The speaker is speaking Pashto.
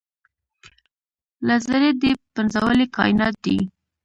له ذرې دې پنځولي کاینات دي